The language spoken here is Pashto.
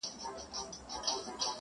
زه د جنتونو و اروا ته مخامخ يمه.